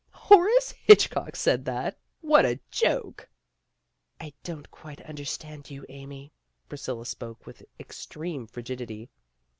"Horace Hitchcock said that. What a joke!" "I don't quite understand you, Amy." Priscilla spoke with extreme frigidity.